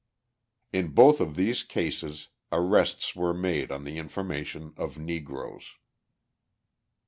In both of these cases arrests were made on the information of Negroes.